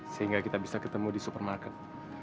sehingga kita bisa ketemu di supermarket